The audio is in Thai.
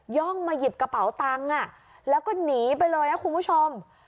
่องมาหยิบกระเป๋าตังค์แล้วก็หนีไปเลยนะคุณผู้ชม